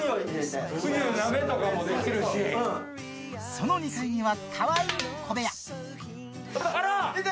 その２階にはかわいい小部屋見て！